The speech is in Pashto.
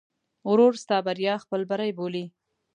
ورور ستا بریا خپل بری بولي.